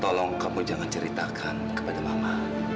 tolong kamu jangan ceritakan kepada mama